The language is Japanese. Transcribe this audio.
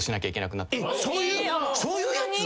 そういうやつ！？